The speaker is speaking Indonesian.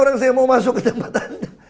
orang saya mau masuk ke tempat anda